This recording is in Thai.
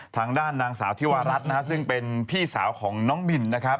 ทางด้านนางสาวธิวารัฐนะฮะซึ่งเป็นพี่สาวของน้องมินนะครับ